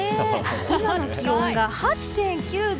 今の気温が８．９度。